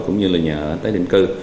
cũng như là nhà ở tái định cư